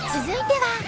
続いては。